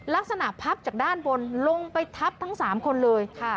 สภาพพับจากด้านบนลงไปทับทั้ง๓คนเลย